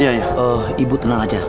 iya ibu tenang aja